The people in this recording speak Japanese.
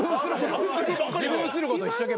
自分映ること一生懸命。